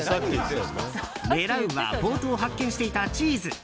狙うは冒頭発見していたチーズ。